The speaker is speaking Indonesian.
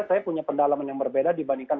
saya punya pendalaman yang berbeda dibandingkan